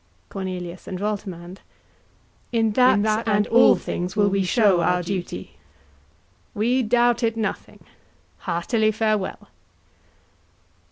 CORNELIUS and VOLTEMAND. In that, and all things, will we show our duty. KING. We doubt it nothing: heartily farewell.